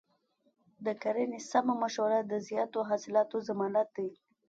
د کرنې سمه مشوره د زیاتو حاصلاتو ضمانت دی.